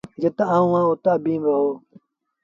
جِت آئوٚنٚ اهآنٚ اُت اڀيٚنٚ با هو۔